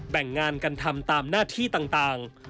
แบ่งงานกันทำตามหน้าที่ต่าง